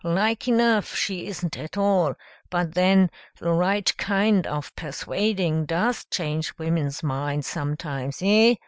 Like enough, she isn't at all, but then, the right kind of persuading does change women's minds sometimes, eh?